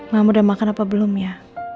mamah udah makan apa belum ya